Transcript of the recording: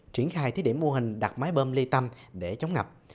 triển khai thí điểm mô hình đặt máy bơm ly tâm để chống ngập